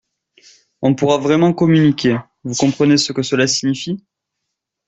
On pourra vraiment communiquer, vous comprenez ce que cela signifie?